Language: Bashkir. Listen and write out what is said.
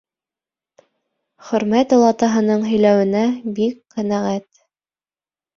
Хөрмәт олатаһының һөйләүенә бик ҡәнәғәт.